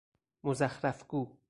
مزخرف گو